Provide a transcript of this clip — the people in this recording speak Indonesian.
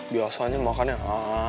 biasanya makan yang